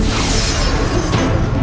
mas rasha tunggu